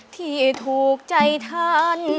ที่ถูกใจท่าน